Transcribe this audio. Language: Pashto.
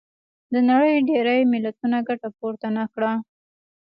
د نړۍ ډېری ملتونو ګټه پورته نه کړه.